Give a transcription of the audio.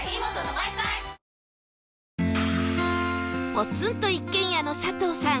ポツンと一軒家の佐藤さん